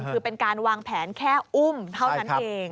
คือเป็นการวางแผนแค่อุ้มเท่านั้นเอง